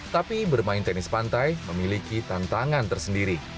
tapi bermain tenis pantai memiliki tantangan tersendiri